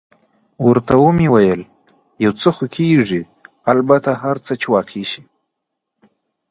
ورته مې وویل: یو څه خو کېږي، البته هر څه چې واقع شي.